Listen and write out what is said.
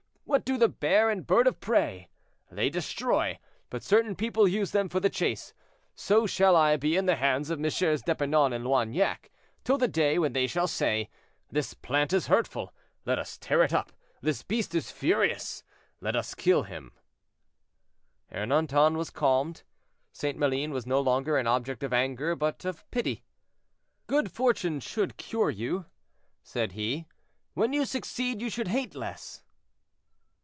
What do the bear and bird of prey? They destroy, but certain people use them for the chase. So shall I be in the hands of MM. d'Epernon and Loignac, till the day when they shall say, 'This plant is hurtful, let us tear it up; this beast is furious, let us kill him.'" Ernanton was calmed; St. Maline was no longer an object of anger but of pity. "Good fortune should cure you," said he; "when you succeed, you should hate less."